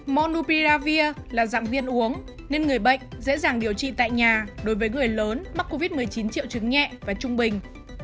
monupiravir là dạng viên uống nên người bệnh dễ dàng điều trị tại nhà đối với người lớn mắc covid một mươi chín triệu chứng nhẹ và trung bình